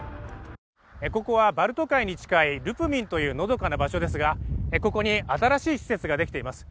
ここはバルト海に近いルプミンというのどかな場所ですがここに新しい施設ができています。